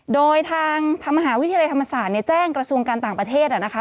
โดยทางมหาวิทยาลัยธรรมศาสตร์แจ้งกระทรวงการต่างประเทศนะคะ